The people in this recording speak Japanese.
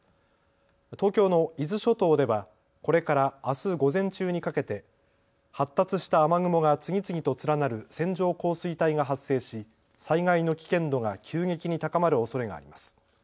東京の伊豆諸島ではこれからあす午前中にかけて発達した雨雲が次々と連なる線状降水帯が発生し災害の危険度が急激に高まるおそれがあります。